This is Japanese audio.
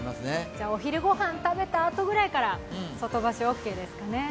じゃあ、お昼御飯食べたあとぐらいから、外干しオーケーですね。